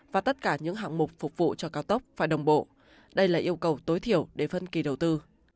và tất cả những hạng mục phục vụ cho cao tốc phải đồng bộ đây là yêu cầu tối thiểu để phân kỳ đầu tư